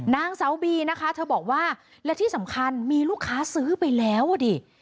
นางเสาบีนะคะเธอบอกว่าและที่สำคัญมีลูกค้าซื้อไปแล้วอ่ะดิ